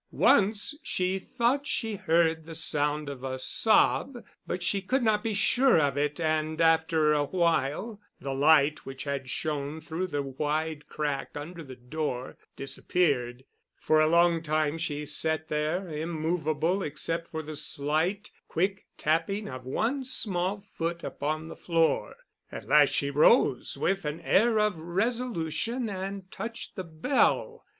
Once she thought she heard the sound of a sob, but she could not be sure of it, and after a while the light which had shone through the wide crack under the door disappeared. For a long time she sat there, immovable except for the slight, quick tapping of one small foot upon the floor. At last she rose with an air of resolution and touched the bell.